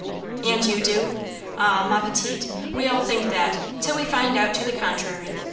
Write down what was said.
"And you do? Ah! ma petite, we all think that, till we find out to the contrary.